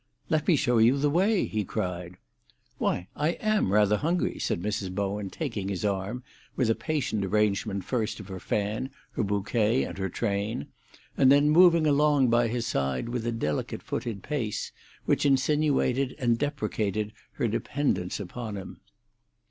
"Let me show you the way," he cried. "Why, I am rather hungry," said Mrs. Bowen, taking his arm, with a patient arrangement first of her fan, her bouquet, and her train, and then moving along by his side with a delicate footed pace, which insinuated and deprecated her dependence upon him.